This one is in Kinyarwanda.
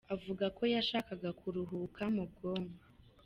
Avuga ko yashakaga kuhuruka mu bwonko.